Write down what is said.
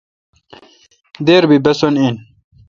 دیر بی بھسن این